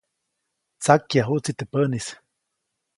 Tsakyajuʼtsi teʼ päʼnis.